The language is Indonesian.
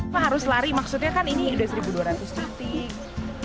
pak harus lari maksudnya kan ini udah seribu dua ratus titik